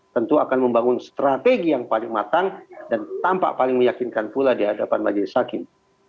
tentu akan membangun strategi yang paling matang dan tampak paling meyakinkan pula di hadapan majelis hakim